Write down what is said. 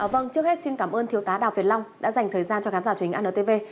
vâng trước hết xin cảm ơn thiếu tá đào việt long đã dành thời gian cho khán giả truyền hình antv